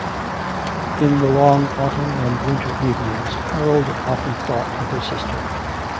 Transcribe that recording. In the long autumn and winter evenings Harold often thought of his sister.